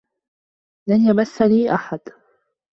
لن يمسّني أحد.